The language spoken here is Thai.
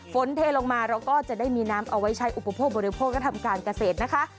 เทลงมาเราก็จะได้มีน้ำเอาไว้ใช้อุปโภคบริโภคและทำการเกษตรนะคะ